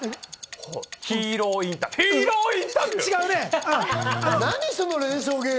ヒーローインタビュー！